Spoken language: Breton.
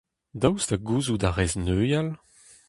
Daoust ha gouzout a rez neuial ?